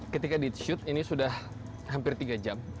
ketika di shoot ini sudah hampir tiga jam